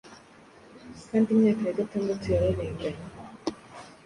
Kandi imyaka ya gatandatu yararenganye